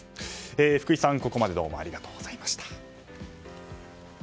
福井さん、ここまでどうもありがとうございました。